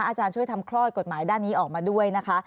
อาจารย์ช่วยทำคลอดกฎหมายด้านนี้ออกมาด้วยนะคะ